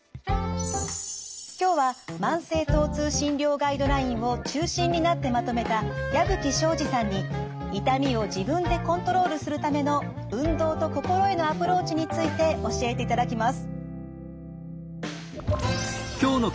今日は慢性疼痛診療ガイドラインを中心になってまとめた矢吹省司さんに痛みを自分でコントロールするための運動と心へのアプローチについて教えていただきます。